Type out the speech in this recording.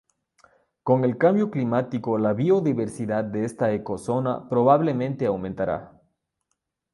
Con el cambio climático, la biodiversidad de esta ecozona probablemente aumentará.